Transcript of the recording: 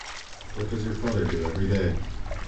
What does your father do every day?